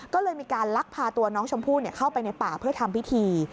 ก็เลยมีการลักพาตัวน้องชมพู่เข้าไปในป่าเพื่อทำพิธี